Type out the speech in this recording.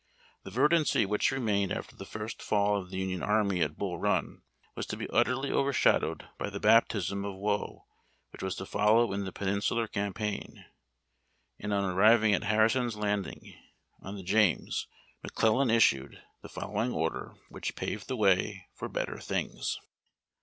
The verdancy wdiich remained after the first fall of the Union army at Bull Run was to be utterly overshadowed by the baptism of woe which was to follow in the Peninsular Campaign ; and on arriving at Harrison's Landing, on the James, McClellan issued the following order, which paved the way for better things :—. AlUir WAGON TRAINS.